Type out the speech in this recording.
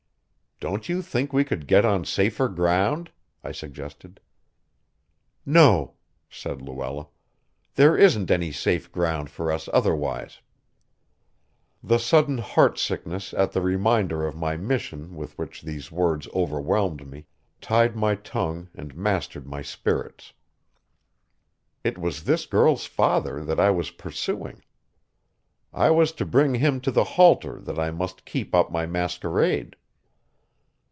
"Don't you think we could get on safer ground?" I suggested. "No," said Luella. "There isn't any safe ground for us otherwise." The sudden heart sickness at the reminder of my mission with which these words overwhelmed me, tied my tongue and mastered my spirits. It was this girl's father that I was pursuing. It was to bring him to the halter that I must keep up my masquerade.